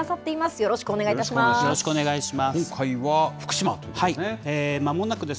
よろしくお願いします。